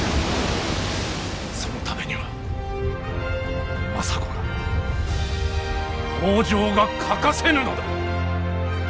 そのためには政子が北条が欠かせぬのだ。